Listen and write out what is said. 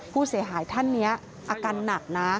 ผู้เสียหายท่านนี้อาการหนักนะ